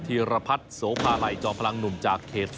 ธีรพัฒน์โสภาลัยจอมพลังหนุ่มจากเขต๒